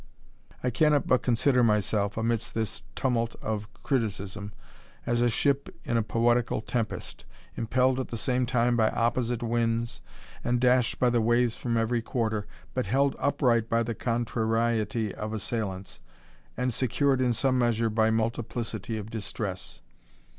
I cannot but consider myself, amidst this tumult of criticism, as a ship in a poetical tempest, impelled at the same time by opposite winds, and dashed by the waves from every quarter, but held upright by the contrariety of the assailants, and secured in some measure, by multiplicity of distress.